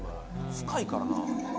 深いからな。